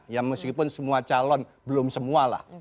ya meskipun semua calon belum semua lah